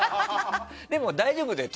でも、大丈夫だよ